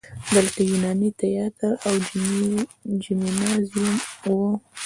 دلته یوناني تیاتر او جیمنازیوم و